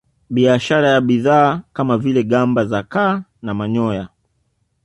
Biashara ya bidhaa kama vile gamba za kaa na manyoya